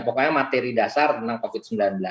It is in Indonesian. pokoknya materi dasar tentang covid sembilan belas